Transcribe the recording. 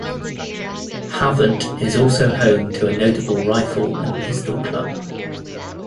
Havant is also home to a notable rifle and pistol club.